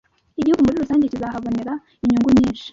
igihugu mri rusange kizahabonera inyungu nyinshi